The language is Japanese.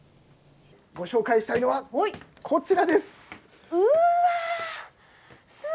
ご紹介したいのは、こちらです。